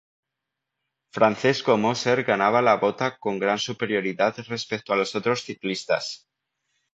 Francesco Moser ganaba la "Vota" con gran superioridad respecto a los otros ciclistas.